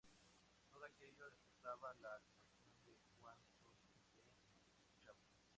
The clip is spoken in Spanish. Todo aquello despertaba la admiración de cuantos le escuchaban.